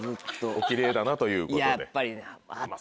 「お奇麗だな」ということで。